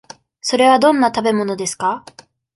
それはどんな食べ物ですか。